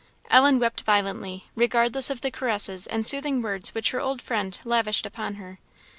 Ellen wept violently, regardless of the caresses and soothing words which her old friend lavished upon her.